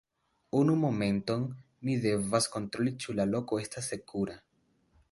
Unu momenton mi devas kontroli ĉu la loko estas sekura.